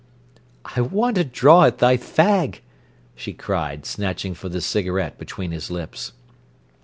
"I want a draw at thy fag," she cried, snatching for the cigarette between his lips.